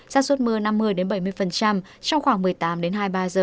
sát xuất mưa năm mươi bảy mươi trong khoảng một mươi tám hai mươi ba h